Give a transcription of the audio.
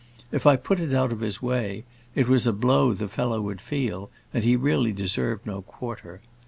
If I put it out of his way, it was a blow the fellow would feel, and he really deserved no quarter.